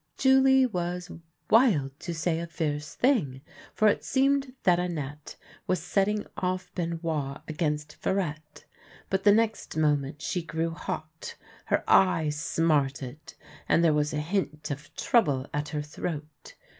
Julie was wild to say a fierce thing, for it seemed that Annette was setting off Benoit against Farette ; but the next moment she grew hot, her eyes smarted, and there was a hint of trouble at her throat.